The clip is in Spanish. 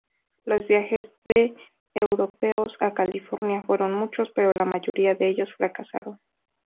Los viajes de europeos a California fueron muchos, pero la mayoría de ellos fracasaron.